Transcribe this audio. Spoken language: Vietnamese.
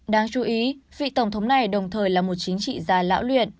đáng chú ý vị tổng thống này đồng thời là một chính trị gia lão luyện